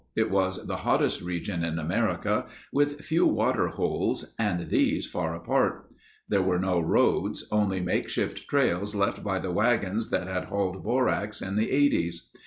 It was the hottest region in America, with few water holes and these far apart. There were no roads—only makeshift trails left by the wagons that had hauled borax in the Eighties.